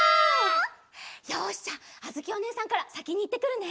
よしじゃああづきおねえさんからさきにいってくるね！